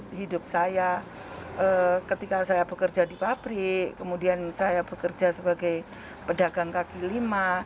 di hidup saya ketika saya bekerja di pabrik kemudian saya bekerja sebagai pedagang kaki lima